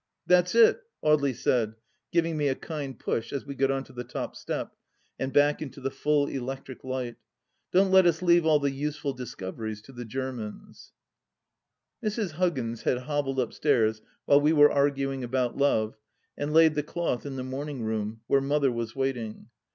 " That's it 1 " Audely said, giving me a kind push as we got on to the top step, and back into the full electric light, " Don't let us leave all the useful discoveries to the Germans 1 " Mrs. Huggins had hobbled upstairs while we were arguing about Love and laid the cloth in the morning room, where Mother was waiting.